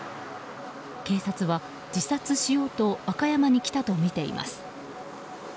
警察は、自殺しようと和歌山に来たとみています。